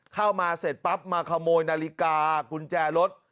เข้ามาเสร็จปั๊บมาขโมยนาฬิกากุญแจรถ